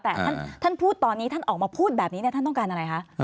แต่ท่านพูดตอนนี้ท่านออกมาพูดแบบนี้ท่านต้องการอะไรคะ